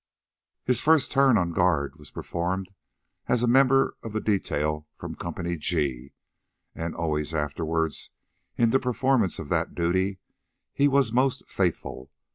His first turn on guard was performed as a member of the detail from Co. G, and always afterward, in the performance of that duty, he was most faithful.